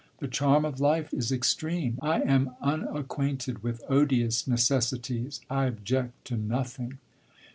"The charm of life is extreme. I am unacquainted with odious necessities. I object to nothing!"